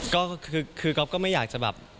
ก็คือก๊อฟก็ไม่อยากจะแบบ